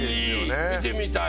見てみたい！